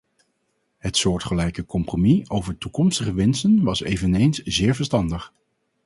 Het soortgelijke compromis over toekomstige winsten was eveneens zeer verstandig.